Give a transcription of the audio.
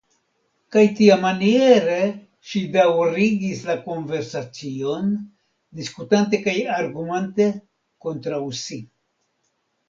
Kaj tiamaniere ŝi daŭrigis la konversacion, diskutante kaj argumentante kontraŭ si.